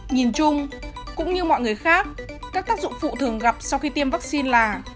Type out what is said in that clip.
nhìn chung cũng như mọi người khác các tác dụng phụ thường gặp sau khi tiêm vắc xin là